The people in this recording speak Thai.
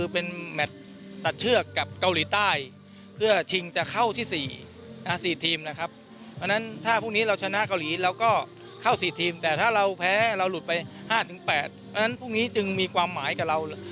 เพราะฉะนั้นพรุ่งนี้จึงมีความหมายกับเรา